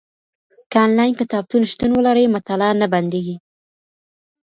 که انلاین کتابتون شتون ولري، مطالعه نه بندېږي.